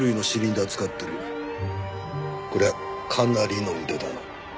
こりゃかなりの腕だな。